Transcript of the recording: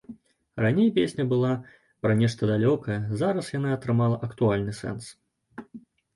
Раней песня была пра нешта далёкае, зараз яна атрымала актуальны сэнс.